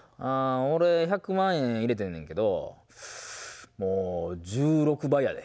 俺、１００万円入れてんねんけどもう１６倍やで。